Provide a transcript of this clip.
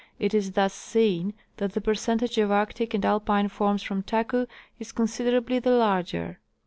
It is thus seen that the percentage of arctic and alpine forms from Taku is considerably the larger.